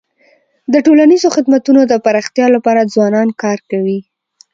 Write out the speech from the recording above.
د ټولنیزو خدمتونو د پراختیا لپاره ځوانان کار کوي.